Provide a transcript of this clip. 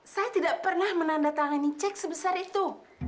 saya tidak pernah menandatangani cek sebesar itu